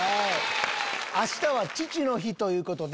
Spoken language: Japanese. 明日は父の日ということで。